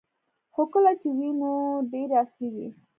خو کله چې وې نو ډیرې عصري وې